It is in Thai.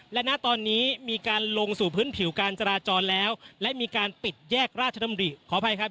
และณตอนนี้มีการลงสู่พื้นผิวการจราจรแล้วและมีการปิดแยกราชดำริขออภัยครับ